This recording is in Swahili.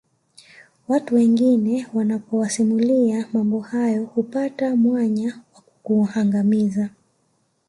Watu wengine unapowasimulia mambo yako hupata mwanya wa kukuangamiza